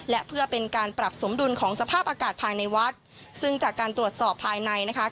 และเพื่อเป็นการปรับสมดุลของสภาพอากาศภายในวัดซึ่งจากการตรวจสอบภายในนะคะ